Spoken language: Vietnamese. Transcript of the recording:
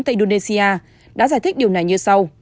tại indonesia đã giải thích điều này như sau